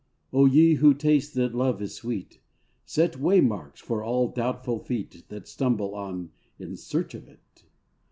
O ye who taste that love is sweet, Set waymarks for all doubtful feet That stumble on in search of it.